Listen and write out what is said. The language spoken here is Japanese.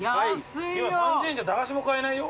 今３０円じゃ駄菓子も買えないよ。